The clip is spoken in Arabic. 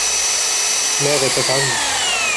ماذا تفعلن ؟